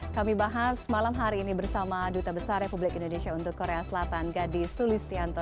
kami bahas malam hari ini bersama duta besar republik indonesia untuk korea selatan gadis sulistianto